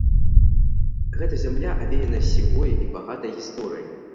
Гэта зямля авеяна сівой і багатай гісторыяй.